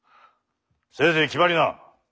せいぜい気張りな！